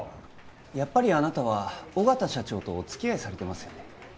やっぱりあなたは緒方社長とお付き合いされてますよね？